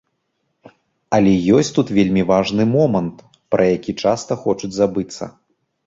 Але ёсць тут вельмі важны момант, пра які часта хочуць забыцца.